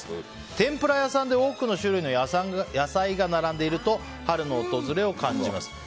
天ぷら屋さんで多くの種類の野菜が並んでいると春の訪れを感じます。